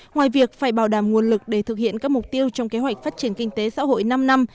ngoài việc phải bảo đảm nguồn lực để thực hiện các mục tiêu trong kế hoạch phát triển kinh tế xã hội năm năm